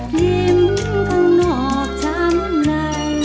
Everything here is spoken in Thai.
นิ้มข้างนอกทำอะไร